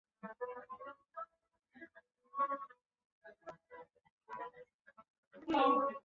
它得名于塞纳河上的耶拿桥。